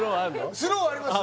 スローあります